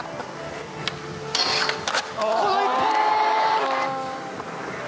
この１本！